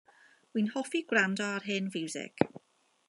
Wi'n hoffi gwrando ar hen fiwsig.